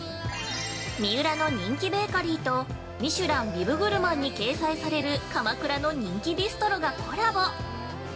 三浦の人気ベーカリーとミシュランビブグルマンに掲載される鎌倉の人気ビストロがコラボ！